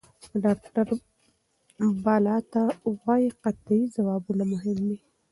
ډاکټر بالاتا وايي قطعي ځوابونه مهم دي.